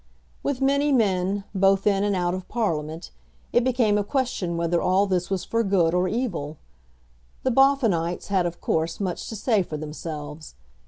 With many men, both in and out of Parliament, it became a question whether all this was for good or evil. The Boffinites had of course much to say for themselves.